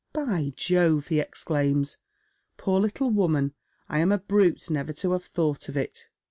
" By Jove !" he exclaims, " poor little woman, I am a brute, never to have thought of it.